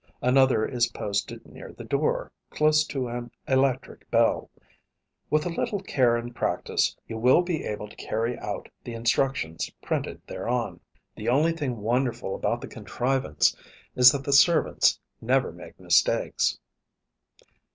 Another is posted near the door, close to an electric bell. With a little care and practice, you will be able to carry out the instructions printed thereon. The only thing wonderful about the contrivance is that the servants never make mistakes.